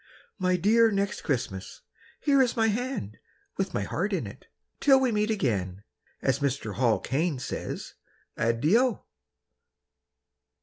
My dear Next Christmas, Here is my hand, With my heart in it. Till we meet again As Mr. Hall Caine says Addio.